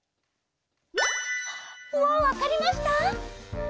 もうわかりました？